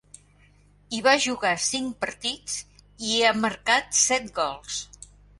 Hi va jugar cinc partits, i hi marcà set gols.